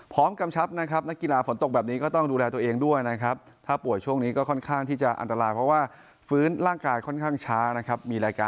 พร้อมกำชับนะครับ